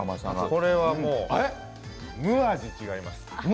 これは六味違います。